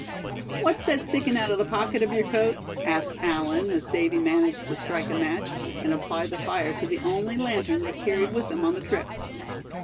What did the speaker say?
"What's that sticking out of the pocket of your coat?" asked Allan, as Davy managed to strike a match, and apply the fire to the only lantern they carried with them on the trip.